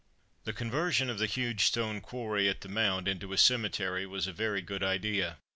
The conversion of the huge stone quarry at the Mount into a cemetery was a very good idea.